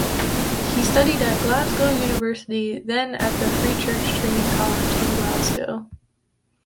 He studied at Glasgow University then at the Free Church Training College in Glasgow.